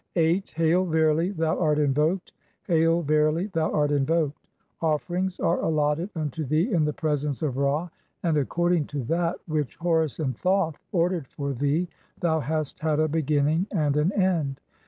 VIII. "Hail, verily thou art invoked ; hail, verily thou art "invoked. Offerings are allotted unto thee in the presence of Ra, "and according to that which Horus and Thoth ordered for thee "thou hast had a beginning and an end.